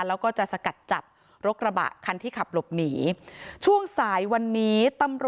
แล้วก็จะสกัดจัดรกระบะคันที่ขับหลบหนี